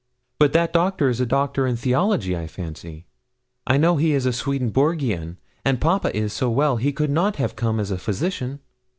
'But that doctor is a doctor in theology, I fancy. I know he is a Swedenborgian; and papa is so well he could not have come as a physician.'